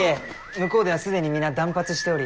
向こうでは既に皆断髪しており。